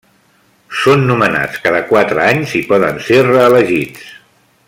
Són nomenats cada quatre anys i poden ser reelegits.